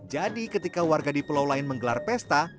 jadi ketika warga di pelau lain menggelar pesta